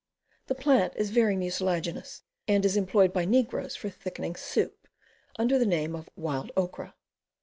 The plant is very mucilaginous, and is employed by negroes for thickening soup, under the name of "wild okra."